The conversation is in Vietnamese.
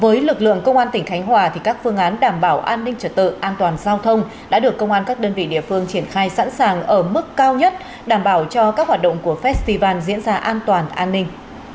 với lực lượng công an tỉnh khánh hòa các phương án đảm bảo an ninh trật tự an toàn giao thông đã được công an các đơn vị địa phương triển khai sẵn sàng ở mức cao nhất đảm bảo cho các hoạt động của festival diễn ra an toàn an ninh